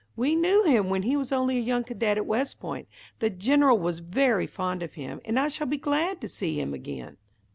"We knew him when he was only a young cadet at West Point. The General was very fond of him, and I shall be glad to see him again."